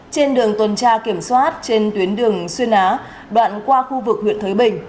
trên đường tuần tra kiểm soát trên tuyến đường xuyên á đoạn qua khu vực huyện thới bình